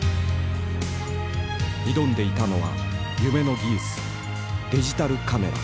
挑んでいたのは夢の技術デジタルカメラ。